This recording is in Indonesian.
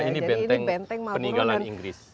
ini benteng peninggalan inggris